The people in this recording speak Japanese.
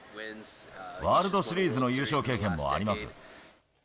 ワールドシリーズの優勝経験もあります。